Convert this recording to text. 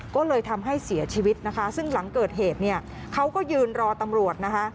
ก็เลยทำให้เสียชีวิตนะคะซึ่งหลังเกิดเหตุเนี่ยเขาก็ยืนรอตำรวจนะคะ